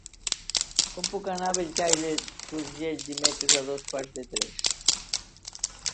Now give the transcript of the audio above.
Com puc anar a Bellcaire d'Urgell dimecres a dos quarts de tres?